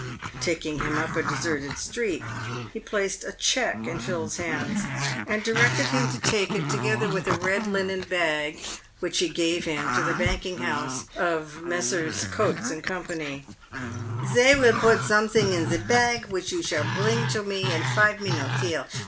Taking him up a deserted street, he placed a cheque in Phil's hands, and directed him to take it, together with a red linen bag which he gave him, to the banking house of Messrs. Coutts and Co. " Sey will put someting in se bag, which you shall bring to me in five minutes, here.